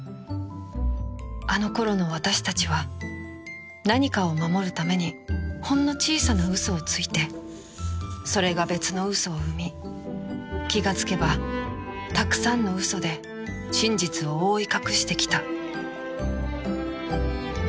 あの頃の私たちは何かを守るためにほんの小さな嘘をついてそれが別の嘘を生み気がつけばたくさんの嘘で真実を覆い隠してきた